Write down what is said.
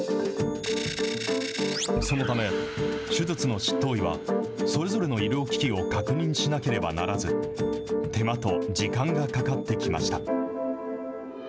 そのため、手術の執刀医はそれぞれの医療機器を確認しなければならず、手間と時間がかかってきました。